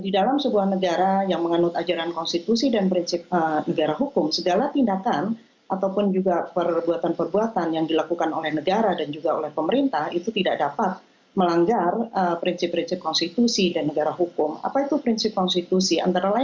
dalam mengatasi situasi pandemi covid sembilan belas ini